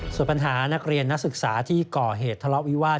ส่วนปัญหานักเรียนนักศึกษาที่ก่อเหตุทะเลาะวิวาส